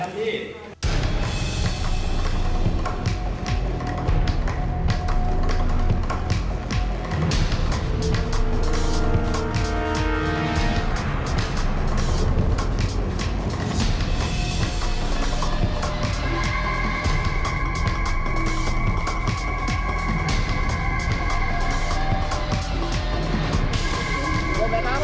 สวิสธิบาย